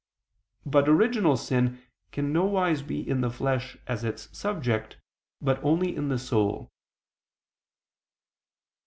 But original sin can nowise be in the flesh as its subject, but only in the soul.